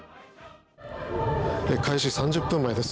開始３０分前です。